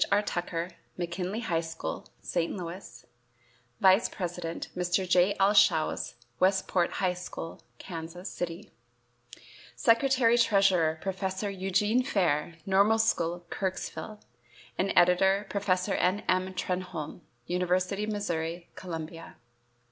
R. Tucker, McKinley High School, St. Louis; vice president, Mr. J. L. Shouse, Westport High School, Kansas City; secretary treasurer, Professor Eugene Fair, Normal School, Kirksville, and editor, Professor N. M. Trenholme, University of Missouri, Columbia.